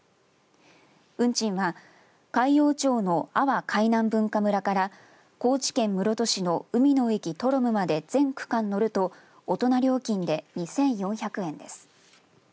運賃は、海陽町の阿波海南文化村から高知県室戸市の海の駅とろむまで全区間乗ると大人料金で２４００円です。